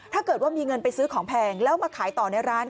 ถ้าเกิดว่ามีเงินไปซื้อของแพงแล้วมาขายต่อในร้าน